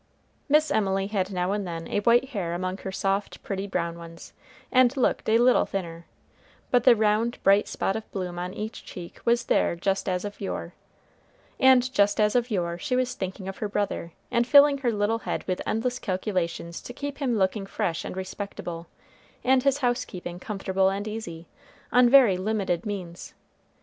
Miss Emily had now and then a white hair among her soft, pretty brown ones, and looked a little thinner; but the round, bright spot of bloom on each cheek was there just as of yore, and just as of yore she was thinking of her brother, and filling her little head with endless calculations to keep him looking fresh and respectable, and his housekeeping comfortable and easy, on very limited means.